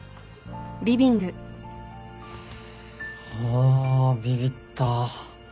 あビビった。